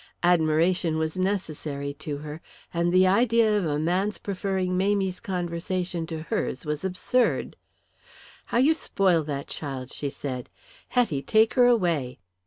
Admiration was necessary to her, and the idea of a man's preferring Mamie's conversation to hers was absurd. "How you spoil that child," she said. "Hetty, take her away."